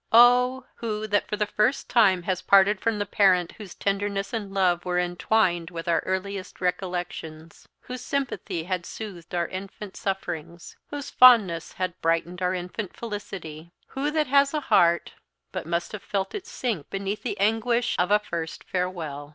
Oh, who that for the first time has parted from the parent whose tenderness and love were entwined with our earliest recollections, whose sympathy had soothed our infant sufferings, whose fondness had brightened our infant felicity; who that has a heart, but must have felt it sink beneath the anguish of a first farewell!